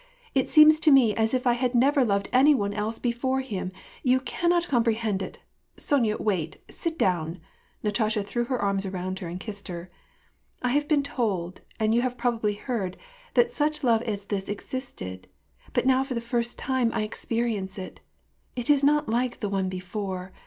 It seems to me as if I had never loved any one else before him. You cannot comprehend it. Sonya, wait ; sit down !" Natasha threw her arms around her, and kissed her. "I have been told, and you have probably heard, that such love as this existed ; but now for the first tii^e I experience it. It is not like the one before.